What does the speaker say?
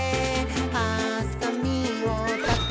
「はさみをたてます」